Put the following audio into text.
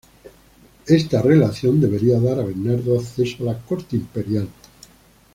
Esta relación debería dar a Bernardo acceso a la corte imperial.